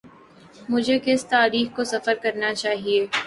مجھے کس تاریخ کو سفر کرنا چاہیے۔